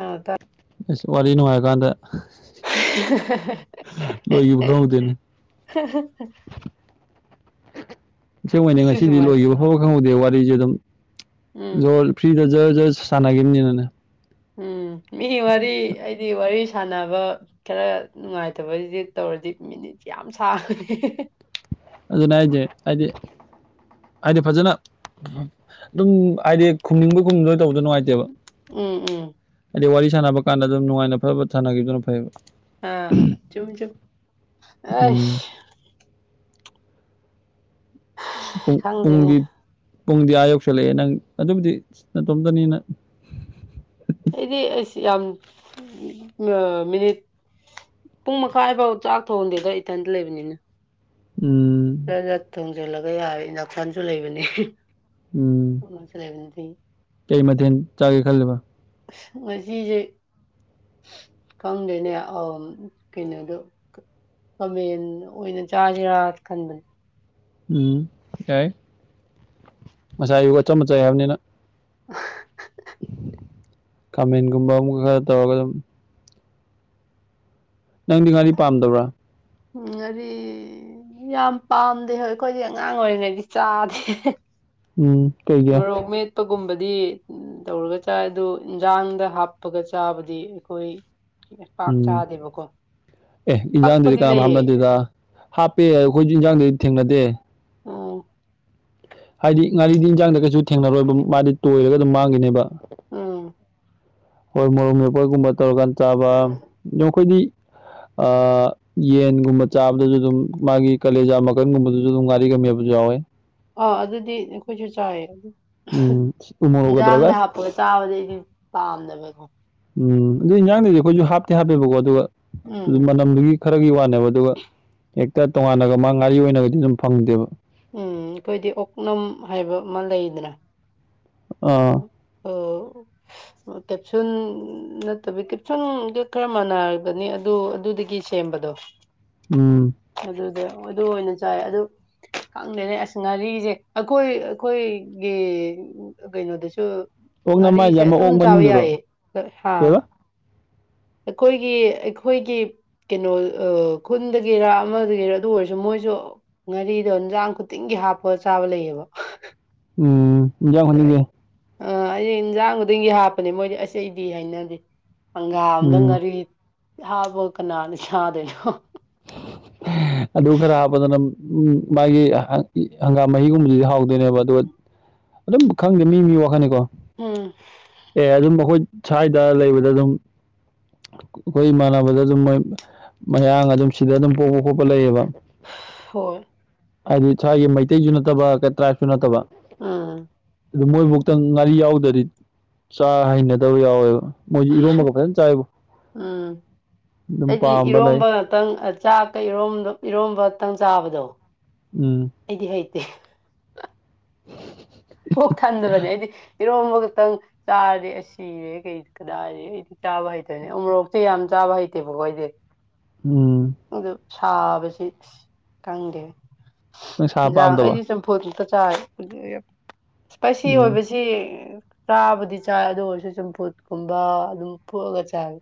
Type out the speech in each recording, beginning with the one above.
ꯑꯥ ꯇꯥꯏ ꯏꯁ ꯋꯥꯔꯤ ꯅꯨꯡꯉꯥꯏꯔꯀꯥꯟꯗ ꯂꯣꯏꯈꯤꯕ ꯈꯪꯍꯧꯗꯦꯅꯦ [unintelligible] ꯑꯁꯦꯡꯕꯩꯅꯦ ꯁꯤ ꯉꯁꯤꯗꯤ ꯁꯨꯃꯥꯏꯅ ꯂꯣꯏꯒꯤꯕ ꯐꯥꯎꯕ ꯈꯪꯍꯧꯗꯦ ꯋꯥꯔꯤꯖꯦ ꯑꯗꯨꯝ ꯎꯝ ꯖꯣꯔ ꯐ꯭ꯔꯤꯗ ꯖꯔ ꯖꯔ ꯁꯥꯟꯒꯤꯕꯅꯤꯅꯅꯦ ꯎꯝ ꯃꯤ ꯋꯥꯔꯤ ꯑꯩꯗꯤ ꯋꯥꯔꯤ ꯁꯥꯟꯅꯕ ꯈꯔ ꯅꯨꯡꯉꯥꯏꯇꯕꯗꯤ ꯇꯧꯔꯗꯤ ꯃꯤꯅꯤꯠ ꯌꯥꯝ ꯁꯥꯡꯉꯦ ꯑꯗꯨꯅꯦ ꯍꯥꯏꯖꯦ ꯍꯥꯏꯗꯤ ꯍꯥꯏꯗꯤ ꯐꯖꯅ ꯑꯗꯨꯝ ꯍꯥꯏꯗꯤ ꯈꯨꯝꯅꯤꯡꯕꯒꯨꯝ ꯈꯨꯝꯗꯣꯏ ꯇꯧꯕꯗꯣ ꯅꯨꯡꯉꯥꯏ ꯎꯝ ꯎꯝ ꯍꯥꯏꯗꯤ ꯋꯥꯔꯤ ꯁꯥꯟꯅꯕ ꯀꯥꯟꯗ ꯑꯗꯨꯝ ꯅꯨꯡꯉꯥꯏꯅ ꯐꯕꯠ ꯁꯥꯟꯅꯒꯤꯗꯨꯅ ꯐꯩꯕ ꯑꯥ ꯆꯨꯝ ꯆꯨꯝ ꯎꯝ ꯑꯩꯁ [unintelligible] ꯈꯪꯗꯦꯅꯦ ꯄꯨꯡꯗꯤ ꯄꯨꯡꯗꯤ ꯑꯥ ꯌꯧꯁꯜꯂꯛꯑꯦ ꯅꯪ ꯑꯗꯨꯕꯨꯗꯤ ꯅꯇꯣꯝꯇꯅꯤꯅ ꯑꯩꯗꯤ ꯑꯩꯁ ꯌꯥꯝ ꯃꯤꯅꯤꯠ ꯄꯨꯡ ꯃꯈꯥꯏꯐꯥꯎ ꯆꯥꯛ ꯊꯣꯡꯗꯦꯗ ꯏꯊꯟꯇ ꯂꯩꯕꯅꯤꯅ ꯎꯝ [unintelligible] ꯊꯣꯡꯖꯤꯜꯂꯒ ꯌꯥꯔꯦ ꯏꯟꯗꯛꯁꯟꯖꯨ ꯂꯩꯕꯅꯦ ꯎꯝ ꯀꯩꯅꯣꯁꯨ ꯂꯩꯕꯅꯤ ꯀꯩ ꯃꯊꯦꯜ ꯆꯥꯒꯦ ꯈꯜꯂꯦꯕ ꯉꯁꯤꯖꯦ ꯈꯪꯗꯦꯅꯦ ꯑꯥꯝ ꯀꯩꯅꯣꯗꯣ ꯈꯃꯦꯟ ꯑꯣꯏꯅ ꯆꯥꯖꯤꯔꯥ ꯈꯟꯕꯅꯦ ꯎꯝ ꯌꯥꯏ ꯉꯁꯥꯏ ꯑꯌꯨꯛ ꯑꯆꯝꯕ ꯆꯥꯏ ꯍꯥꯏꯕꯅꯤꯅ [inaudible] ꯈꯥꯃꯦꯟꯒꯨꯝꯕ ꯑꯃꯒ ꯇꯧꯔꯒ ꯑꯗꯨꯝ ꯅꯪꯗꯤ ꯉꯥꯔꯤ ꯄꯥꯝꯗꯕ꯭ꯔꯥ ꯎꯝ ꯉꯥꯔꯤ ꯌꯥꯝ ꯄꯥꯝꯗꯦ ꯍꯣꯏ ꯑꯩꯈꯣꯏꯗꯤ ꯑꯉꯥꯡ ꯑꯣꯏꯔꯤꯉꯩꯗꯩ ꯆꯥꯗꯦ ꯎꯝ ꯀꯩ ꯃꯣꯔꯣꯛ ꯃꯦꯠ ꯄꯒꯨꯝꯕꯗꯤ ꯇꯧꯔꯒ ꯆꯥꯏ ꯑꯗꯨ ꯏꯟꯖꯥꯡꯗ ꯍꯥꯞꯄꯒ ꯆꯥꯕꯗꯤ ꯑꯩꯈꯣꯏ ꯄꯥꯛ ꯎꯝ ꯆꯥꯗꯦꯕꯀꯣ ꯑꯦ ꯏꯟꯖꯥꯡꯗꯗꯤ ꯄꯛꯄꯗꯤ ꯀꯅꯥꯝ ꯂꯩꯌꯦ ꯍꯥꯞꯅꯗꯦꯗ ꯍꯥꯞꯄꯦ ꯑꯈꯣꯏꯖꯨ ꯏꯟꯖꯥꯡꯗꯗꯤ ꯊꯦꯡꯅꯗꯦ ꯑꯣ ꯍꯥꯏꯗꯤ ꯉꯥꯔꯤꯗꯤ ꯏꯟꯖꯥꯡꯗ ꯀꯩꯁꯨ ꯊꯦꯡꯅꯔꯣꯏꯕ ꯃꯥꯗꯤ ꯇꯣꯏꯔꯒ ꯑꯗꯨꯝ ꯃꯥꯡꯒꯤꯅꯦꯕ ꯎꯝ ꯍꯣꯏ ꯃꯣꯔꯣꯛ ꯃꯦꯠꯄ ꯒꯨꯝꯕ ꯇꯧꯔꯀꯥꯟ ꯆꯥꯕ ꯗꯨ ꯑꯩꯈꯣꯏꯗꯤ ꯑꯥ ꯌꯦꯟꯒꯨꯝꯕ ꯆꯥꯕꯗꯖꯨ ꯑꯗꯨꯝ ꯃꯥꯒꯤ ꯀꯂꯦꯖꯥ ꯃꯀꯟꯒꯨꯝꯕꯗꯨꯖꯨ ꯑꯗꯨꯝ ꯉꯥꯔꯤꯒ ꯃꯦꯠꯄꯖꯨ ꯌꯥꯎꯋꯦ ꯑꯥ ꯑꯗꯨꯗꯤ ꯑꯩꯈꯣꯏꯁꯨ ꯆꯥꯏꯌꯦ ꯎꯝ ꯎ ꯃꯣꯔꯣꯛꯀ ꯇꯧꯔꯒ ꯏꯟꯖꯥꯡꯗ ꯑꯁ ꯍꯥꯞꯄꯒ ꯆꯥꯕꯗꯤ ꯑꯩꯗꯤ ꯄꯥꯝꯗꯕꯀꯣ ꯎꯝ ꯑꯗꯨ ꯏꯟꯖꯥꯡꯗꯗꯤ ꯑꯩꯈꯣꯏꯁꯨ ꯍꯥꯞꯇꯦ ꯍꯥꯞꯄꯦꯕꯀꯣ ꯑꯗꯨꯒ ꯎꯝ ꯑꯗꯨ ꯃꯅꯝꯗꯨꯒꯤ ꯈꯔꯒꯤ ꯋꯥꯅꯦꯕ ꯑꯗꯨꯒ ꯍꯦꯛꯇ ꯇꯣꯉꯥꯟꯅꯒ ꯃꯥ ꯉꯥꯔꯤ ꯑꯣꯏꯅꯒꯗꯤ ꯑꯗꯨꯝ ꯐꯪꯗꯦꯕ ꯎꯝ ꯑꯩꯈꯣꯏꯗꯤ ꯑꯣꯛꯅꯝ ꯍꯥꯏꯕ ꯑꯃ ꯂꯩꯗꯅ ꯑꯥ ꯎꯝ ꯑꯣ ꯑ ꯀꯦꯞꯁꯨꯟ ꯅꯠꯇꯕꯤ ꯀꯦꯞꯁꯨꯟ ꯒ ꯈꯔ ꯃꯥꯟꯅꯔꯒꯅꯤ ꯑꯗꯨ ꯑꯗꯨꯗꯒꯤ ꯁꯦꯝꯕꯗꯣ ꯎꯝ ꯑꯗꯨꯗ ꯑꯗꯨ ꯑꯣꯏꯅ ꯆꯥꯏ ꯑꯗꯨ ꯈꯪꯗꯦꯅꯦ ꯑꯁ ꯉꯥꯔꯤꯖꯦ ꯑꯈꯣꯏ ꯑꯩꯈꯣꯏꯒꯤ ꯀꯩꯅꯣꯗꯁꯨ ꯑꯣꯛꯅ ꯃꯥ ꯉꯥꯔꯤꯁꯦ ꯌꯥꯝ ꯑꯗꯨꯝ ꯑꯣꯛ ꯆꯥꯕ ꯃꯅꯨꯡꯗꯨꯔꯣ ꯌꯥꯏꯌꯦ ꯀꯩꯕ ꯑꯩꯈꯣꯏꯒꯤ ꯑꯩꯈꯣꯏꯒꯤ ꯀꯩꯅꯣ ꯑꯥ ꯈꯨꯟꯗꯒꯤꯔꯥ ꯑꯃꯗꯒꯤꯔꯥ ꯑꯗꯨ ꯑꯣꯏꯔꯁꯨ ꯃꯣꯏꯁꯨ ꯉꯥꯔꯤꯗꯣ ꯏꯟꯖꯥꯡ ꯈꯨꯗꯤꯡꯒꯤ ꯍꯥꯞꯄ ꯆꯥꯕ ꯂꯩꯌꯦꯕ ꯎꯝ ꯏꯟꯖꯥꯡ ꯈꯨꯗꯤꯡꯒꯤ ꯑ ꯑꯩꯗꯤ ꯏꯟꯖꯥꯡ ꯈꯨꯗꯤꯡꯒꯤ ꯍꯥꯞꯄꯅꯦ ꯃꯣꯏꯗꯤ ꯑꯁ ꯑꯩꯗꯤ ꯍꯩꯅꯗꯦ ꯍꯪꯒꯥꯝꯗ ꯎꯝ ꯉꯥꯔꯤ ꯍꯥꯞꯄ ꯀꯅꯥꯅ ꯆꯥꯗꯣꯏꯅꯣ ꯑꯗꯨ ꯈꯔ ꯍꯥꯞꯄꯗꯨꯅ ꯎꯝ ꯃꯥꯒꯤ ꯍꯪꯒꯥꯝ ꯃꯍꯤꯒꯨꯝꯕꯗꯨꯗꯤ ꯍꯥꯎꯗꯣꯏꯅꯦꯕ ꯑꯗꯨ ꯑꯗꯨꯝ ꯈꯪꯗꯦ ꯃꯤ ꯃꯤ ꯋꯥꯈꯜꯅꯤꯀꯣ ꯎꯝ ꯑꯦ ꯑꯗꯨꯝ ꯑꯈꯣꯏ ꯁ꯭ꯋꯥꯏꯗ ꯂꯩꯕꯗ ꯑꯗꯨꯝ ꯑꯩꯈꯣꯏ ꯏꯃꯥꯟꯅꯕꯗ ꯑꯗꯨꯝ ꯃꯣꯏ ꯃꯌꯥꯡ ꯑꯗꯨꯝ ꯁꯤꯗ ꯑꯗꯨꯝ ꯄꯣꯛꯄ ꯈꯣꯠꯄ ꯂꯩꯌꯦꯕ ꯍꯣꯏ ꯍꯥꯏꯗꯤ ꯁꯋꯥꯏꯒꯤ ꯃꯩꯇꯩꯖꯨ ꯅꯠꯇꯕ ꯇ꯭ꯔꯥꯏꯞꯁꯨ ꯅꯠꯇꯕ ꯑ ꯑꯗꯨ ꯃꯣꯏꯕꯧꯇ ꯉꯥꯔꯤ ꯌꯥꯎꯗ꯭ꯔꯗꯤ ꯆꯥ ꯍꯩꯅꯗꯕ ꯌꯥꯎꯋꯦꯕ ꯃꯣꯏꯖꯨ ꯏꯔꯣꯝꯕꯒ ꯐꯖꯅ ꯆꯥꯏꯌꯦꯕ ꯎꯝ ꯑꯗꯨꯝ ꯄꯥꯝꯕ ꯂꯩ ꯇꯪ ꯑꯥ ꯆꯥꯛꯀ ꯏꯔꯣꯝꯕ ꯏꯔꯣꯝꯕꯇꯪ ꯆꯥꯕꯗꯣ ꯎꯝ ꯑꯩꯗꯤ ꯍꯩꯇꯦ [unintelligible] ꯄꯨꯛ ꯊꯟꯗꯕꯅꯦ ꯑꯩꯗꯤ ꯏꯔꯣꯝꯕ ꯈꯇꯪ ꯆꯥꯔꯗꯤ ꯑꯩ ꯁꯤ ꯁꯤꯔꯦ ꯀꯩꯅꯣ ꯀꯗꯥꯏꯗꯩ ꯑꯩꯗꯤ ꯆꯥꯕ ꯍꯩꯇꯦꯅꯦ ꯎꯃꯣꯔꯣꯛꯇꯤ ꯌꯥꯝ ꯆꯥꯕ ꯍꯩꯇꯦꯕꯀꯣ ꯑꯩꯗꯤ ꯎꯝ ꯑꯗꯨ ꯁꯥꯕꯁꯤ ꯈꯪꯗꯦ ꯅꯪ ꯁꯥ ꯌꯦꯟꯖꯥꯡ ꯄꯥꯝꯗꯕ ꯑꯩꯗꯤ ꯆꯝꯐꯨꯠ ꯆꯝꯐꯨꯠꯀ ꯆꯥꯔꯦ ꯑꯗꯩ ꯏꯁꯄꯥꯏꯁꯤ ꯎꯝ ꯑꯣꯏꯕꯁꯤ ꯁꯤ ꯆꯥꯕꯨꯗꯤ ꯆꯥꯏ ꯑꯗꯨ ꯑꯣꯏꯔꯁꯨ ꯆꯝꯐꯨꯠꯀꯨꯝꯕ ꯑꯗꯨꯝ ꯐꯨꯠꯂꯒ ꯆꯥꯏ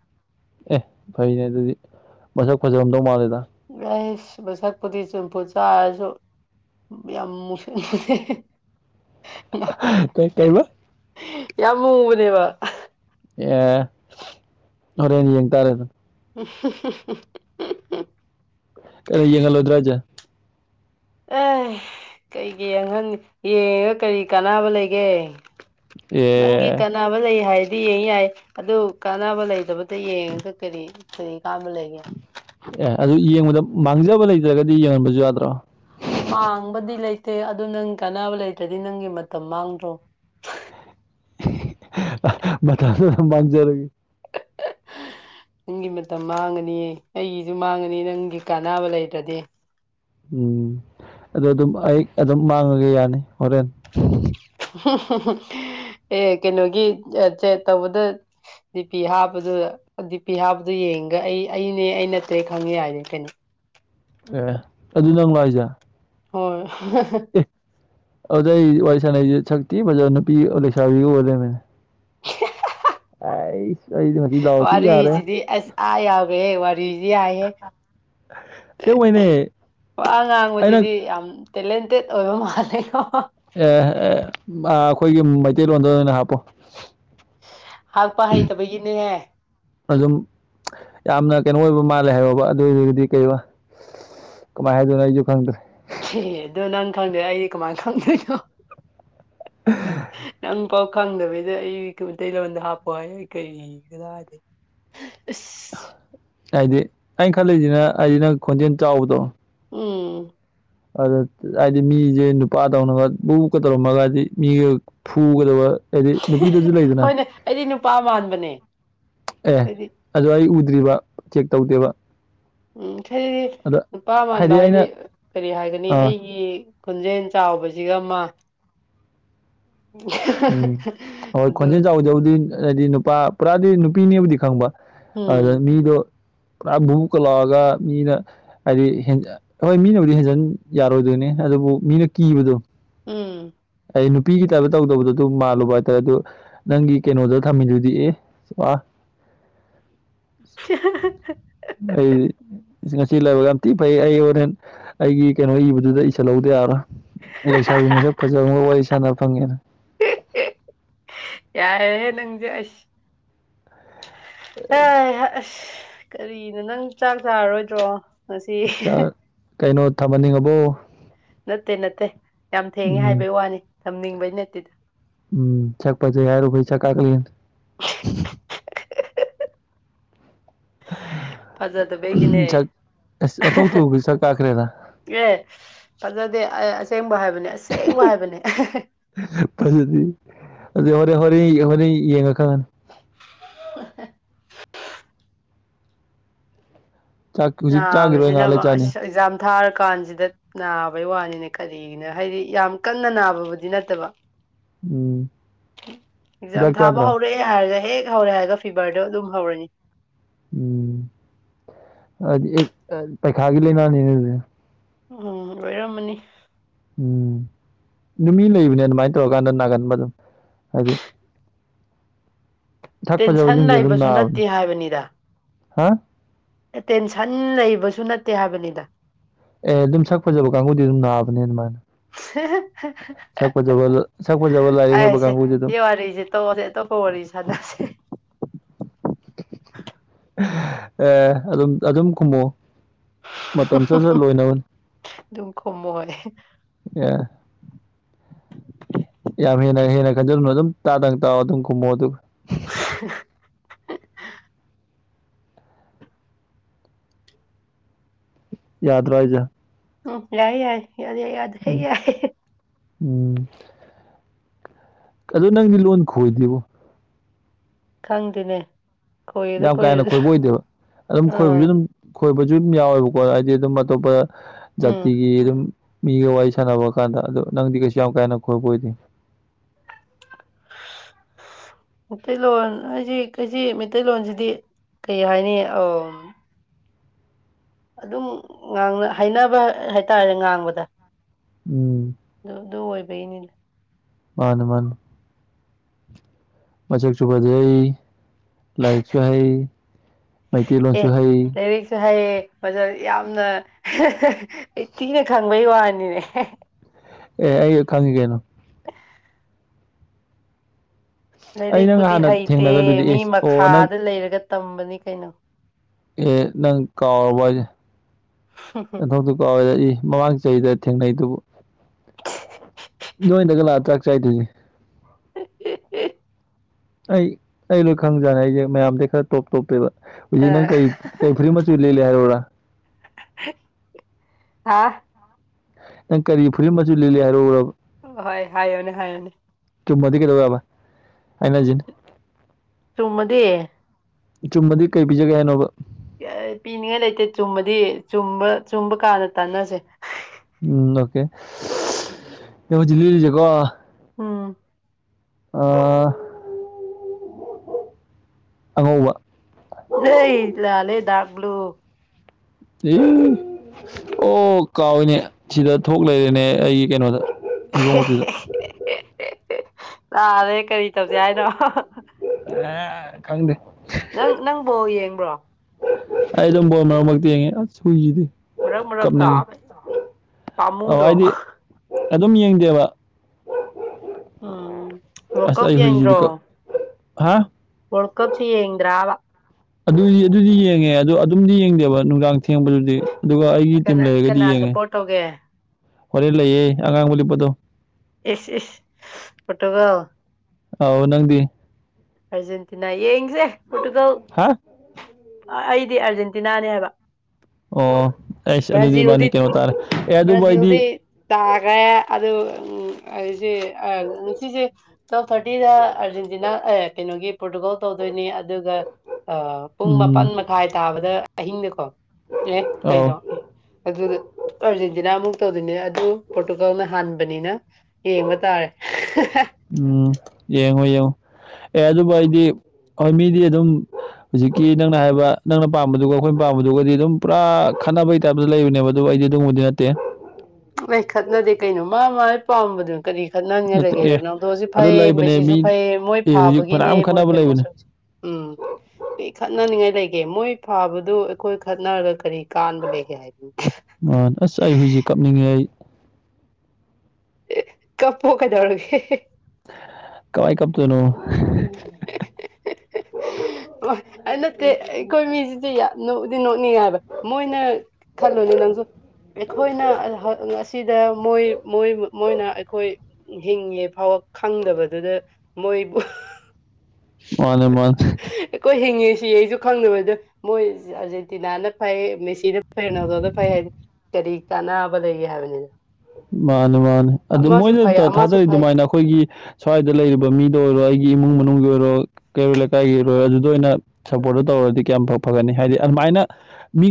ꯑꯦ ꯐꯩꯅꯦ ꯑꯗꯨꯗꯤ ꯃꯁꯛ ꯐꯖꯔꯝꯗꯧ ꯃꯥꯜꯂꯦꯗ ꯑꯩꯁ ꯃꯁꯛꯄꯨꯗꯤ ꯆꯨꯝꯐꯨꯠ ꯆꯥꯔꯁꯨ ꯌꯥꯝ ꯃꯨꯁꯪꯂꯁꯦ ꯀꯩ ꯀꯩꯕ ꯌꯥꯝ ꯃꯨꯕꯅꯦꯕ ꯑꯦ ꯍꯣꯔꯦꯟ ꯌꯦꯡ ꯇꯥꯔꯦ ꯑꯗꯨ ꯍ ꯌꯦꯡꯉ ꯂꯣꯗ꯭ꯔꯖꯥ ꯍꯥꯏꯔꯤꯁꯤ ꯑꯦ ꯀꯩꯒꯤꯍꯟ ꯌꯦꯡꯉꯒ ꯀꯔꯤ ꯀꯥꯟꯅꯕ ꯂꯩꯒꯦ ꯅꯪꯤ ꯀ ꯑꯦ ꯀꯥꯟꯅꯕ ꯂꯩ ꯍꯥꯏꯔꯗꯤ ꯌꯦꯡ ꯌꯥꯏ ꯑꯗꯨ ꯀꯥꯟꯅꯕ ꯂꯩꯇꯕꯗ ꯌꯦꯡꯉꯒ ꯀꯔꯤ ꯊꯔꯤ ꯀꯥꯝꯕ ꯂꯩꯒꯦ ꯑꯦ ꯑꯗꯨ ꯌꯦꯡꯕꯗ ꯃꯥꯡꯖꯕ ꯂꯩꯇ꯭ꯔꯒꯗꯤ ꯌꯦꯡꯍꯟꯕꯁꯨ ꯌꯥꯗ꯭ꯔꯣ ꯃꯥꯡꯕꯗꯤ ꯂꯩꯇꯦ ꯑꯗꯨ ꯅꯪ ꯀꯥꯟꯅꯕ ꯂꯩꯇ꯭ꯔꯗꯤ ꯅꯪꯒꯤ ꯃꯇꯝ ꯃꯥꯡꯗ꯭ꯔꯣ ꯃꯊꯗ ꯃꯥꯡꯖꯔꯒꯦ ꯅꯪꯒꯤ ꯃꯇꯝ ꯃꯥꯡꯉꯅꯤ ꯑꯩꯒꯤꯁꯨ ꯃꯥꯡꯉꯅꯤ ꯅꯪꯒꯤ ꯀꯥꯟꯅꯕ ꯂꯩꯇ꯭ꯔꯗꯤ ꯎꯝ ꯑꯗꯨ ꯑꯗꯨꯝ ꯑꯩ ꯑꯗꯨꯝ ꯃꯥꯡꯉꯒ ꯌꯥꯅꯤ ꯍꯣꯔꯦꯟ ꯑꯦ ꯀꯩꯅꯣꯒꯤ ꯇꯧꯕꯗ ꯗꯤꯄꯤ ꯍꯥꯞꯄꯗꯨ ꯗꯤꯄꯤ ꯍꯥꯞꯄꯗꯨꯣ ꯌꯦꯡꯉꯒ ꯑꯩ ꯑꯩꯅꯦ ꯑꯩ ꯅꯠꯇꯦ ꯈꯪꯉꯦ ꯌꯥꯏꯗꯤ ꯀꯩꯅꯣ ꯑꯦ ꯑꯗꯨ ꯅꯪ ꯂꯥꯛꯏꯁꯦ ꯍꯣꯏ ꯑꯣꯗ ꯑꯩ ꯋꯥꯔꯤ ꯁꯥꯟꯅꯁꯤ ꯁꯛꯇꯤꯖ ꯅꯨꯄꯤ ꯑꯣꯂꯤꯁꯥꯒꯤ ꯑꯣꯏꯗꯦꯅꯦ ꯑꯩ ꯋꯥꯔꯤꯁꯤꯗꯤ ꯑꯁ ꯑꯥ ꯌꯥꯎꯈ꯭ꯔꯦꯍꯦ ꯋꯥꯔꯤꯁꯤꯗꯤ ꯌꯥꯏꯍꯦ ꯑꯁꯦꯡꯕꯩꯅꯦ ꯋꯥ ꯑꯩꯅ ꯉꯥꯡꯕꯁꯤꯗꯤ ꯌꯥꯝ ꯇꯦꯂꯦꯟꯇꯦꯠ ꯑꯣꯏꯕ ꯃꯥꯜꯂꯦꯀꯣ ꯑꯦ ꯑꯦ ꯑꯩꯈꯣꯏꯒꯤ ꯃꯩꯇꯩꯔꯣꯟꯗ ꯑꯣꯏꯅ ꯍꯥꯞꯄꯨ ꯍꯥꯛꯄ ꯍꯩꯇꯕꯒꯤꯅꯦꯍꯦ ꯑꯗꯨꯝ ꯌꯥꯝꯅ ꯀꯩꯅꯣ ꯑꯣꯏꯕ ꯃꯥꯜꯂꯦ ꯍꯥꯏꯔꯣꯕ ꯑꯗꯨꯏꯗꯨꯒꯗꯤ ꯀꯩ ꯀꯃꯥꯏꯅꯗꯣꯏꯅꯣ ꯑꯩꯁꯨ ꯈꯪꯗ꯭ꯔꯦ ꯑꯦ ꯑꯗꯨꯗꯣ ꯅꯪ ꯈꯪꯗꯦ ꯑꯩꯗꯤ ꯀꯃꯥꯏꯅ ꯈꯪꯗꯣꯏꯅꯣ ꯑ ꯅꯪ ꯄꯥꯎ ꯈꯪꯗꯕꯩꯗ ꯑꯩ ꯃꯩꯇꯩꯂꯣꯟꯗ ꯍꯥꯞꯄꯣ ꯍꯥꯏ ꯑꯩ ꯀꯔꯤ ꯀꯗꯥ ꯑ ꯍꯥꯏꯗꯤ ꯑꯩꯅ ꯈꯂꯛꯁꯤꯅ ꯍꯥꯏꯗꯤ ꯅꯪ ꯈꯣꯟꯖꯦꯜ ꯆꯥꯎꯕꯗꯣ ꯎꯝ ꯑꯗ ꯍꯥꯏꯗꯤ ꯃꯤꯁꯦ ꯅꯨꯄꯥ ꯇꯧꯅꯒ ꯕꯨꯕꯨꯀ ꯇꯧꯔꯝꯃꯒꯗꯤ ꯃꯤꯒ ꯐꯨꯒꯗꯕ ꯍꯥꯏꯗꯤ ꯅꯨꯄꯤꯗꯁꯨ ꯂꯩꯗꯅ ꯍꯣꯏꯅꯦ ꯑꯩꯗꯤ ꯅꯨꯄꯥ ꯃꯥꯟꯕꯅꯦ ꯑꯦ ꯍꯥꯏꯗꯤ ꯑꯗꯣ ꯑꯩ ꯎꯗ꯭ꯔꯤꯕ ꯆꯦꯛ ꯇꯧꯗꯦꯕ ꯎꯝ ꯍꯥꯏꯗꯤ ꯑꯗ ꯅꯨꯄꯥ ꯃꯥꯟꯕ ꯍꯥꯏꯗꯤ ꯑꯩꯅ ꯀꯔꯤ ꯍꯥꯏꯒꯅꯤ ꯑꯥ ꯑꯩꯒꯤ ꯈꯣꯟꯖꯦꯜ ꯆꯥꯎꯕꯁꯤꯒ ꯃꯥ ꯎ ꯎꯝ ꯍꯣꯏ ꯈꯣꯟꯖꯦꯜ ꯆꯥꯎꯎꯗ ꯍꯧꯗꯤ ꯍꯥꯏꯗꯤ ꯅꯨꯄꯥ ꯄꯨꯔꯥꯗꯤ ꯅꯨꯄꯤꯅꯦꯕꯨꯗꯤ ꯈꯪꯕ ꯑꯗꯨ ꯎꯝ ꯃꯤꯗꯣ ꯄꯨꯔꯥ ꯕꯨꯀ ꯂꯥꯛꯑꯒ ꯃꯤꯅ ꯍꯥꯏꯗꯤ ꯍꯣꯏ ꯃꯤꯅꯕꯨꯗꯤ ꯍꯦꯟꯖꯤꯟ ꯌꯥꯔꯣꯏꯗꯣꯏꯅꯦ ꯑꯗꯨꯕꯨ ꯃꯤꯅ ꯀꯤꯕꯗꯣ ꯎꯝ ꯑꯩ ꯅꯨꯄꯤꯒꯤ ꯇꯥꯏꯞꯇ ꯇꯧꯗꯕꯗ ꯑꯗꯨꯝ ꯃꯥꯜꯂꯨꯕ ꯍꯥꯏꯇꯥꯔꯦ ꯑꯗꯨꯣ ꯅꯪꯒꯤ ꯀꯩꯅꯣꯗ ꯊꯝꯃꯤꯗꯨꯗꯤ ꯑꯦ ꯍꯤ ꯍ ꯍ ꯍ ꯑꯩꯗꯤ ꯉꯁꯤ ꯂꯥꯏꯕꯥꯛ ꯌꯥꯝ ꯊꯤ ꯐꯩ ꯑꯩ ꯍꯣꯔꯦꯟ ꯑꯩꯒꯤ ꯀꯩꯅꯣ ꯏꯕꯗꯨꯗ ꯏꯁꯜꯍꯧꯗ ꯌꯥꯔꯥꯔꯣꯏ ꯂꯩꯁꯥꯕꯤ ꯃꯁꯛ ꯐꯖꯕ ꯑꯃꯒ ꯋꯥꯔꯤ ꯁꯥꯟꯅ ꯐꯪꯉꯦꯅ ꯌꯥꯏꯌꯦ ꯅꯪꯖꯨ ꯑꯁ ꯍꯩꯍ ꯑꯁ ꯀꯔꯤꯅꯣ ꯅꯪ ꯆꯥꯛ ꯆꯥꯔꯔꯣꯏꯗ꯭ꯔꯣ ꯉꯁꯤ ꯀꯩꯅꯣ ꯊꯝꯍꯟꯅꯤꯡꯉꯕꯣ ꯅꯠꯇꯦ ꯅꯠꯇꯦ ꯌꯥꯝ ꯊꯦꯡꯉꯦ ꯎꯝ ꯍꯥꯏꯕꯩ ꯋꯥꯅꯤ ꯊꯝꯅꯤꯡꯕꯩ ꯅꯠꯇꯦꯗ ꯎꯝ ꯁꯛ ꯐꯖꯩ ꯍꯥꯏꯔꯨꯕꯩ ꯁꯛ ꯀꯛꯂꯛ ꯑꯅꯦ ꯐꯖꯗꯕꯩꯒꯤꯅꯦ ꯆꯛ ꯑꯁ ꯑꯣꯊꯣꯛ ꯊꯨꯒ꯭ꯔꯦ ꯆꯛꯀꯀꯦꯔ ꯑꯦ ꯐꯖꯗꯦ ꯑ ꯑꯁꯦꯡꯕ ꯍꯥꯏꯕꯅꯦ ꯑꯁꯦꯡꯕ ꯍꯥꯏꯕꯅꯦ ꯐꯖꯅꯤ ꯑꯗꯨ ꯍꯣꯔꯦꯟ ꯍꯣꯔꯦꯟ ꯍꯣꯔꯤ ꯌꯦꯡꯉ ꯈꯪꯉꯅꯤ ꯍ ꯍ [unintelligible] ꯆꯥꯛ ꯍꯧꯖꯤꯛ ꯆꯥꯈꯤꯔꯣꯏ ꯅꯥꯕꯁꯤꯅ ꯉꯥꯏꯍꯥꯛ ꯂꯩ ꯆꯥꯅꯤ ꯑꯁ ꯑꯦꯛꯖꯥꯝ ꯊꯥꯔꯀꯥꯟꯖꯤꯗ ꯅꯥꯕꯩ ꯋꯥꯅꯤꯅꯦ ꯀꯔꯤ ꯀꯩꯒꯤꯅ ꯍꯥꯏꯗꯤ ꯌꯥꯝ ꯀꯟꯅ ꯅꯥꯕꯕꯨꯗꯤ ꯅꯠꯇꯕ ꯎꯝ ꯑꯦꯛꯖꯥꯝ ꯍꯤꯗꯥꯛ ꯊꯥꯕ ꯆꯥꯗ꯭ꯔꯣ ꯍꯧꯔꯦ ꯌꯥꯔꯒ ꯍꯦꯛ ꯍꯧꯔꯦ ꯍꯥꯏꯒ ꯐꯤꯚꯔꯗꯣ ꯑꯗꯨꯝ ꯍꯧꯔꯅꯤ ꯎꯝ ꯑꯧꯗꯤ ꯑꯦꯛ ꯄꯩꯈꯥꯒꯤ ꯂꯥꯏꯅꯥꯅꯤꯅꯦ ꯑꯗꯨꯗꯦ ꯑ ꯑꯣꯏꯔꯝꯃꯅꯤ ꯎꯝ ꯃꯤ ꯂꯩꯕꯅꯦ ꯑꯗꯨꯃꯥꯏꯅ ꯇꯧꯔꯀꯥꯟꯗ ꯅꯥꯒꯟꯕꯗꯨꯝ ꯍꯥꯏꯗꯤ ꯁꯛ ꯇꯦꯟꯁꯟ ꯐꯖꯕꯁꯤꯡꯁꯦ ꯑꯗꯨꯝ ꯂꯩꯕꯁꯨ ꯅꯥꯕꯅꯦ ꯅꯠꯇꯦ ꯍꯥꯏꯕꯅꯤꯗ ꯍꯥ ꯇꯦꯟꯁꯟ ꯂꯩꯕꯁꯨ ꯅꯠꯇꯦ ꯍꯥꯏꯕꯅꯤꯗ ꯑꯦ ꯑꯗꯨꯝ ꯁꯛ ꯐꯖꯕ ꯀꯥꯡꯒꯨꯗꯤ ꯑꯗꯨꯝ ꯅꯥꯕꯅꯦ ꯑꯗꯨꯃꯥꯏꯟ ꯍꯦꯍꯦ ꯍꯦꯍꯦ ꯁꯛ ꯐꯖꯕ ꯂꯥꯏꯔꯤꯛ ꯍꯩꯕ ꯀꯥꯡꯕꯨꯗꯤ ꯑꯗꯨꯝ ꯁꯤ ꯋꯥꯔꯤꯁꯦ ꯇꯣꯛꯑꯁꯦ ꯑꯇꯣꯞꯄ ꯋꯥꯔꯤ ꯁꯥꯥꯟꯅꯁꯦ ꯑ ꯑꯗꯨꯝ ꯑꯗꯨꯝ ꯈꯨꯝꯃꯣ ꯃꯇꯝ ꯆꯠ ꯆꯠ ꯂꯣꯏꯅꯕꯅꯤ ꯑꯗꯨꯝ ꯈꯨꯝꯃꯣ ꯍꯣꯏ ꯑꯦ ꯌꯥꯝ ꯍꯦꯟꯅ ꯍꯦꯟꯅ ꯈꯟꯖꯤꯜꯂꯨꯅꯨ ꯑꯗꯨꯝ ꯇꯥꯗꯪ ꯇꯥꯑꯣ ꯑꯗꯨꯝ ꯈꯨꯝꯃꯣ ꯑꯗꯨꯒ ꯍ [inaudible] ꯌꯥꯗ꯭ꯔꯣ ꯍꯥꯏꯖꯦ ꯎꯝ ꯌꯥꯏ ꯌꯥꯏ ꯌꯥꯅꯦ ꯌꯥꯗꯦ ꯍꯦꯛ ꯎꯝ ꯌꯥꯏ ꯎꯝ ꯑꯗꯨ ꯅꯪꯗꯤ ꯂꯣꯟ ꯈꯣꯏꯗꯦꯕꯣ ꯈꯪꯗꯦꯅꯦ ꯈꯣꯏꯔꯦꯗ ꯌꯥꯝ ꯀꯥ ꯍꯦꯟꯅ ꯈꯣꯏꯔꯦꯗ ꯈꯣꯏꯕ ꯑꯣꯏꯗꯦꯕ ꯑꯗꯨꯝ ꯈꯣꯏꯕꯖꯨ ꯑꯥ ꯑꯗꯨꯝ ꯈꯣꯏꯕꯖꯨ ꯑꯗꯨꯝ ꯌꯥꯎꯋꯦꯕꯀꯣ ꯍꯥꯏꯗꯤ ꯑꯗꯨꯝ ꯑꯇꯣꯞꯄ ꯎꯝ ꯖꯥꯇꯤꯒꯤ ꯑꯗꯨꯝ ꯃꯤꯒ ꯋꯥꯔꯤ ꯁꯥꯟꯅꯕ ꯀꯥꯟꯗ ꯑꯗꯣ ꯅꯪꯗꯤ ꯀꯩꯁꯨ ꯌꯥꯝ ꯀꯦꯟꯅ ꯈꯣꯏꯕ ꯑꯣꯏꯗꯦ ꯃꯩꯇꯩꯂꯣꯟ ꯍꯥꯏꯖꯤ ꯀꯩꯁꯤ ꯃꯩꯇꯩꯂꯣꯟꯁꯤꯗꯤ ꯀꯩ ꯍꯥꯏꯅꯤ ꯑ ꯑꯗꯨꯝ ꯉꯥꯡ ꯍꯥꯏꯅꯕ ꯍꯥꯏꯇꯥꯔꯦ ꯉꯥꯡꯕꯗ ꯎꯝ ꯑꯗꯨ ꯑꯣꯏꯕꯩꯅꯤꯗ ꯃꯥꯅꯦ ꯃꯥꯅꯦ ꯃꯁꯛꯁꯨ ꯐꯖꯩ ꯂꯥꯏꯔꯤꯛꯁꯨ ꯍꯩ ꯑꯦ ꯃꯩꯇꯩꯂꯣꯟꯁꯨ ꯍꯩ ꯂꯩꯔꯤꯛꯁꯨ ꯍꯥꯏꯌꯦ ꯄꯖꯔ ꯌꯥꯝꯅ ꯑꯦꯛꯇꯤꯡꯒ ꯈꯪꯕꯩ ꯋꯥꯅꯤꯅꯦ ꯑꯦ ꯑꯩ ꯈꯪꯉꯤ ꯀꯩꯅꯣ ꯑꯦ ꯑꯩ ꯅꯪ ꯂꯥꯏꯔꯤꯛꯄꯨꯗꯤ ꯍꯥꯟꯅ ꯍꯩꯇꯦ ꯊꯦꯡꯅꯒꯗꯨꯗꯤ ꯑꯦ ꯃꯤ ꯑꯣ ꯅꯪ ꯃꯈꯥꯗ ꯂꯩꯔꯒ ꯇꯝꯕꯅꯤ ꯀꯩꯅꯣ ꯑꯦ ꯅꯪ ꯀꯥꯎꯔꯕ ꯍꯥꯏꯖꯦ ꯅꯊꯧꯗꯣ ꯀꯥꯎꯔꯗꯤ ꯏ ꯃꯃꯥꯡ ꯆꯩꯗ ꯊꯦꯡꯅꯩꯗꯨꯕꯨ ꯅꯣꯏꯗꯒ ꯂꯥꯛꯑ ꯆꯥꯛ ꯆꯥꯏꯗꯨꯗꯤ ꯑꯦ ꯑꯦ ꯑꯩ ꯑꯩ ꯂꯣꯏ ꯈꯪꯖꯥꯅꯦ ꯑꯩꯖꯦ ꯃꯌꯥꯝꯖꯦ ꯈꯔ ꯇꯣꯞ ꯇꯣꯞꯇꯦꯕ ꯑ ꯍꯧꯖꯤꯛ ꯅꯪ ꯀꯔꯤ ꯀꯩ ꯐꯨꯔꯤꯠ ꯃꯆꯨ ꯂꯤꯠꯂꯤ ꯍꯥꯏꯔꯣꯔꯥ ꯍꯥꯥ ꯅꯪ ꯀꯔꯤ ꯐꯨꯔꯤꯠ ꯃꯆꯨ ꯂꯤꯜꯂꯤ ꯍꯥꯏꯔꯧꯔ ꯑꯣ ꯍꯣꯏ ꯍꯥꯏꯌꯣꯅꯦ ꯍꯥꯏꯌꯣꯅꯦ ꯆꯨꯝꯃꯗꯤ ꯀꯩꯗꯧ ꯌꯥꯕꯥ ꯑꯩꯅꯖꯤꯟ ꯆꯨꯝꯃꯗꯤ ꯆꯨꯝꯃꯗꯤ ꯀꯩ ꯄꯤꯖꯒꯦ ꯍꯥꯏꯅꯣꯕ ꯄꯤꯅꯤꯡꯉꯥꯏ ꯂꯩꯇꯦ ꯆꯨꯝꯃꯗꯤ ꯆꯨꯝꯕ ꯀꯥꯟꯗ ꯇꯥꯟꯅꯁꯦ ꯎꯝ ꯑꯣꯀꯦ ꯅꯪ ꯍꯧꯖꯤꯛ ꯂꯤꯠꯂꯤꯖꯦꯀꯣ ꯎꯝ ꯑ ꯑꯉꯧꯕ ꯂꯩ ꯂꯥꯜꯂꯦ ꯗꯥꯛ ꯕ꯭ꯂꯨ ꯑꯦ ꯑꯣ ꯀꯥꯎꯏꯅꯦ ꯁꯤꯗ ꯊꯣꯛ ꯂꯩꯔꯦꯅꯦ ꯑꯩꯒꯤ ꯀꯩꯅꯣꯗ ꯍꯤꯒꯣꯛ ꯃꯆꯨꯗ ꯂꯥꯜꯂꯦ ꯀꯔꯤ ꯇꯧꯖꯦ ꯍꯥꯏꯅꯣ ꯑ ꯈꯪꯗꯦ ꯅꯪ ꯅꯪ ꯕꯣꯜ ꯌꯦꯡꯕ꯭ꯔꯣ ꯑꯩ ꯑꯗꯨꯨꯝ ꯕꯣꯜ ꯃꯔꯛ ꯃꯔꯛꯇ ꯌꯦꯡꯉꯦ ꯑꯁ ꯍꯨꯏꯖꯤꯗꯤ ꯃꯔꯛ ꯃꯔꯛꯇ ꯑꯣ ꯄꯥꯝꯃꯨꯗ꯭ꯔꯣ ꯍꯥꯏꯗꯤ ꯑꯗꯨꯝ ꯌꯦꯡꯗꯦꯕ ꯑ ꯑꯁ ꯑꯩ ꯍꯨꯏꯁꯤꯗꯤ ꯀꯥ ꯍꯥꯥ ꯋꯥ꯭ꯔꯜ ꯀꯞꯁꯤ ꯌꯦꯡꯗ꯭ꯔꯥꯕ ꯑꯗꯨꯗꯤ ꯑꯗꯨꯗꯤ ꯌꯦꯡꯉꯦ ꯑꯗꯣ ꯑꯗꯨꯝꯗꯤ ꯌꯦꯡꯗꯦꯕ ꯅꯨꯡꯗꯥꯡ ꯊꯦꯡꯕꯗꯨꯗꯤ ꯑꯗꯨꯒ ꯑꯩꯒꯤ ꯇꯤꯝ ꯀꯅꯥ ꯂꯩꯔꯒꯗꯤ ꯀꯅꯥ ꯌꯦꯡꯉꯦ ꯁꯞꯄꯣꯔꯠ ꯇꯧꯒꯦ ꯍꯣꯔꯦꯟ ꯂꯩꯌꯦ ꯑꯉꯥꯡꯕ ꯂꯤꯠꯄꯗꯣ ꯏꯁ ꯏꯁ ꯄꯣꯇꯨꯒꯜ ꯑꯥꯎ ꯅꯪꯗꯤ ꯑꯥꯔꯖꯦꯟꯇꯤꯅꯥ ꯌꯦꯡꯁꯦ ꯄꯣꯔꯇꯨꯒꯜ ꯍꯥ ꯑꯩꯗꯤ ꯑꯥꯔꯖꯦꯟꯇꯤꯅꯥꯅꯦ ꯍꯥꯏꯕ ꯑꯣ ꯑꯩꯁ ꯑꯗꯨꯗꯤ ꯕ꯭ꯔꯥꯖꯤꯜꯗꯤ ꯏꯕꯥꯅꯤ ꯀꯩꯅꯣ ꯇꯥꯔꯦ ꯑꯦ ꯑꯗꯨꯕꯨ ꯑꯩꯗꯤ ꯇꯥꯒ꯭ꯔꯦ ꯑꯗꯨ ꯑꯩꯁꯦ ꯁꯤꯁꯦ ꯇꯣꯞ ꯐꯣꯔꯇꯤꯗ ꯑꯔꯖꯦꯟꯇꯤꯅꯥ ꯑꯦ ꯀꯩꯅꯣꯒꯤ ꯄꯣꯔꯇꯨꯒꯜ ꯇꯧꯗꯣꯏꯅꯤ ꯑꯗꯨꯒ ꯄꯨꯡ ꯃꯥꯄꯜ ꯎꯝ ꯃꯥꯏ ꯇꯥꯕꯗ ꯑꯍꯤꯡꯗꯀꯣ ꯑꯦ ꯑꯧ ꯀꯩꯅꯣ ꯑꯦ ꯑꯗꯨꯗ ꯑꯥꯔꯖꯦꯟꯇꯤꯅꯥꯃꯨꯛ ꯇꯧꯗꯣꯏꯅꯦ ꯑꯗꯨ ꯄꯣꯔꯇꯨꯒꯥꯜꯅ ꯍꯥꯟꯕꯅꯤꯅ ꯌꯦꯡꯕ ꯇꯥꯔꯦ ꯎꯝ ꯌꯦꯡꯉꯣ ꯌꯦꯡꯉꯣ ꯑꯦ ꯑꯗꯨꯕꯨ ꯑꯩꯗꯤ ꯍꯣꯏ ꯃꯤꯗꯤ ꯑꯗꯨꯝ ꯍꯧꯖꯤꯛꯀꯤ ꯅꯪꯅ ꯍꯥꯏꯕ ꯅꯪꯅ ꯄꯥꯝꯕꯗꯨꯒ ꯑꯩꯈꯣꯏꯅ ꯄꯥꯝꯕꯗꯨꯒꯗꯤ ꯑꯗꯨꯝ ꯄꯨꯔꯥ ꯈꯠꯅꯕꯩ ꯇꯥꯏꯞꯇ ꯂꯩꯕꯅꯦꯕ ꯑꯗꯨ ꯑꯩꯗꯤ ꯑꯗꯨꯕꯨꯗꯤ ꯅꯠꯇꯦ ꯅ ꯈꯠꯅꯗꯦ ꯀꯩꯅꯣ ꯃꯥ ꯃꯥꯥꯏ ꯄꯥꯝꯕꯗꯨ ꯀꯔꯤ ꯈꯠꯅꯅꯤꯡꯉꯥꯏ ꯅꯠꯇꯦ ꯂꯩꯒꯦꯗꯣ ꯑꯦ ꯅꯪꯗꯣꯁꯤ ꯑꯗꯨ ꯐꯩꯌꯦ ꯂꯩꯕꯅꯦ ꯃꯦꯆꯁꯨ ꯃꯤ ꯐꯩꯌꯦ ꯃꯣꯏ ꯑꯦ ꯍꯧꯖꯤꯛ ꯐꯥꯕꯒꯤꯅꯦ ꯐꯅꯌꯥꯝ ꯃꯣꯏ ꯈꯠꯅꯕ ꯂꯩꯕꯅꯦ ꯐꯦꯃꯣꯁ ꯑꯣꯏꯁꯦ ꯎꯝ ꯄꯤ ꯈꯠꯅꯅꯤꯡꯉꯥꯏ ꯂꯩꯒꯦ ꯃꯣꯏ ꯐꯥꯕꯗꯨ ꯑꯩꯈꯣꯏ ꯈꯠꯅꯔꯒ ꯀꯔꯤ ꯀꯥꯟꯕ ꯂꯩꯒꯦ ꯍꯥꯏ ꯍꯥꯏ ꯑ ꯑꯁ ꯑꯩ ꯍꯨꯖꯤꯁꯦ ꯀꯞꯅꯤꯡꯉꯦ ꯑꯩ ꯀꯞꯄꯣ ꯀꯩꯗꯧꯔꯒꯦ ꯀꯃꯥꯏ ꯀꯞ ꯇꯣꯢꯅꯣ꯫ ꯑꯣ ꯑ ꯅꯠꯇꯦ ꯑꯩꯈꯣꯏ ꯃꯤꯁꯤꯗꯤ ꯌꯥꯝꯗꯤ ꯅꯣꯛꯅꯤꯡꯉꯦ ꯍꯥꯏꯕ ꯃꯣꯏꯅ ꯈꯜꯂꯣꯅꯦ ꯅꯪꯁꯨ꯫ ꯑꯩꯈꯣꯏꯅ ꯑ ꯍ ꯉꯁꯤꯗ ꯃꯣꯏ ꯃꯣꯏ ꯃꯣꯏꯅ ꯑꯩꯈꯣꯏ ꯍꯤꯡꯉꯦ ꯐꯥꯎꯕ ꯈꯪꯗꯕꯗꯨꯗ ꯃꯣꯏꯕꯨ ꯃꯥꯅꯦ ꯃꯥꯅꯦ꯫ ꯑꯩꯈꯣꯏ ꯍꯤꯡꯉꯤꯁꯤ ꯑꯩꯁꯨ ꯈꯪꯗꯕꯗ꯫ ꯃꯣꯏ ꯑꯥꯔꯖꯦꯟꯇꯤꯅꯥꯅ ꯐꯩ ꯃꯦꯁꯤꯅ ꯐꯩ ꯅꯣꯗꯣꯅ ꯐꯩ ꯍꯥꯏꯗꯤ꯫ ꯀꯔꯤ ꯀꯥꯟꯅꯕ ꯂꯩꯒꯦ ꯍꯥꯏꯕꯅꯤꯗ꯫ ꯃꯥꯅꯦ ꯃꯥꯅꯦ ꯑꯗꯨ ꯑꯃꯁꯨ ꯃꯣꯏꯅ ꯐꯩ ꯑꯃꯁꯨ ꯊꯥꯗꯔꯤ ꯐꯩ ꯗꯨꯃꯥꯏꯅ ꯑ ꯑꯩꯈꯣꯏꯒꯤ ꯁ꯭ꯋꯥꯏꯗ ꯂꯩꯔꯤꯕ ꯃꯤꯗ ꯑꯣꯏꯔꯣ ꯑꯩꯒꯤ ꯏꯃꯨꯡ ꯃꯅꯨꯡꯒꯤ ꯑꯣꯏꯔꯣ꯫ ꯀꯩꯔꯣꯏ ꯂꯩꯀꯥꯏꯒꯤꯔꯣꯏ ꯑꯗꯨꯗ ꯑꯣꯏꯅ ꯁꯞꯄꯣꯔꯠꯇꯣ ꯇꯧꯔꯗꯤ ꯀꯌꯥꯝ ꯐ ꯐꯒꯅꯤ ꯍꯥꯏꯗꯤ ꯑꯗꯨꯃꯥꯏꯅ ꯃꯤ